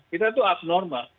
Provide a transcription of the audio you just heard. kita itu abnormal